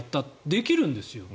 できるんですよ。